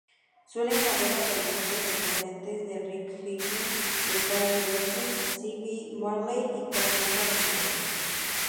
Suelen haber apariciones recurrentes de Rick Harrison de "Pawn Stars", Ziggy Marley, Cassandra Peterson.